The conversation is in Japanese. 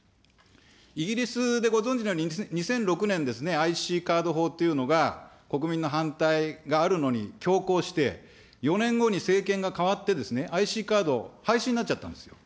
イギリスでご存じのように、２００６年ですね、ＩＣカード法というのが、国民の反対があるのに強行して、４年後に政権が代わって、ＩＣカード、廃止になっちゃったんですよ。